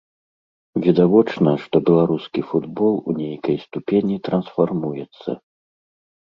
Відавочна, што беларускі футбол у нейкай ступені трансфармуецца.